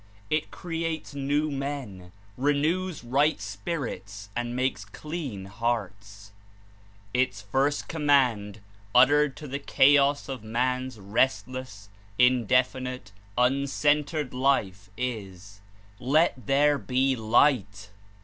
It creates new men, renews right spirits and makes clean hearts. Its first command uttered to the chaos of man's restless, indefinite, uncentered life, is — "Let there be light!"